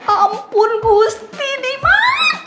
ampun gusti di mana